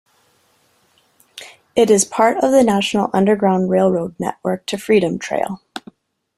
It is part of the National Underground Railroad Network to Freedom Trail.